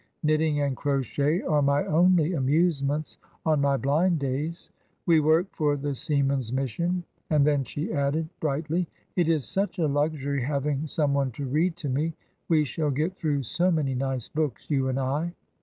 Knitting and crochet are my only amusements on my blind days. We work for the Seamen's Mission." And then she added, brightly, "It is such a luxury having some one to read to me. We shall get through so many nice books, you and I."